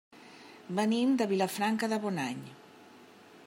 Venim de Vilafranca de Bonany.